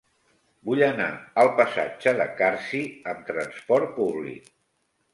Vull anar al passatge de Carsi amb trasport públic.